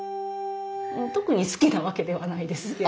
特に好きなわけではないですけど。